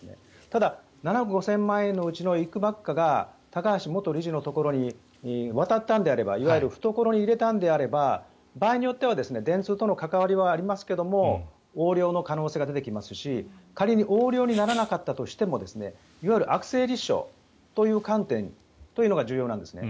ただ、７億５０００万円のうちのいくばくかが高橋元理事のところに渡ったのであればいわゆる懐に入れたのであれば場合によっては電通との関わりはありますが横領の可能性が出てきますし仮に横領にならなかったとしてもいわゆる悪性立証という観点というのが重要なんですね。